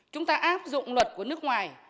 chúng ta áp dụng luật của nước ngoài